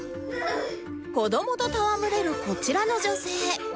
子どもと戯れるこちらの女性